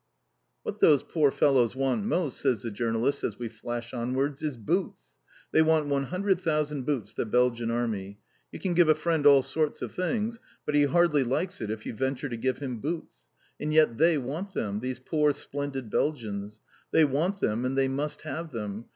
"What those poor fellows want most," says the journalist as we flash onwards, "is boots! They want one hundred thousand boots, the Belgian Army. You can give a friend all sorts of things. But he hardly likes it if you venture to give him boots. And yet they want them, these poor, splendid Belgians. They want them, and they must have them.